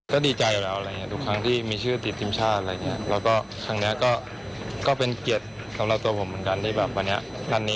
ก็ดีใจจาวแล้วทุกครั้งที่มีชื่อติดทิมชาติ